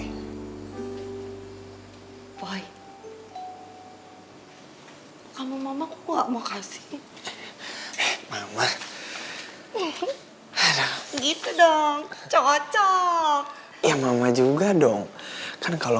hai boy kamu mama gua mau kasih eh mama ada gitu dong cocok yang mama juga dong kan kalau